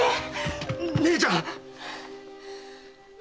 姉ちゃん！